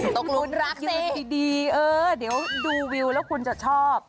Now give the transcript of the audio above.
ตกหลุมรักสิยืนดีเออดีว่าดูวิวแล้วคุณจะชอบ